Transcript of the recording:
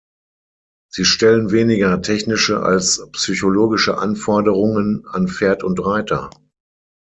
Sie stellen weniger technische als psychologische Anforderungen an Pferd und Reiter.